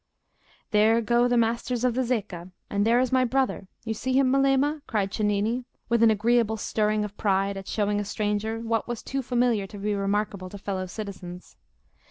"There go the Masters of the Zecca, and there is my brother—you see him, Melema?" cried Cennini, with an agreeable stirring of pride at showing a stranger what was too familiar to be remarkable to fellow citizens.